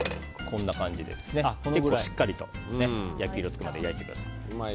こんな感じで結構しっかりと焼き色がつくまで焼いてください。